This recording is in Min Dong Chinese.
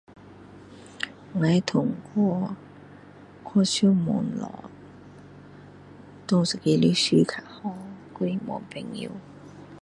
我哪一个历史比较好还是问朋友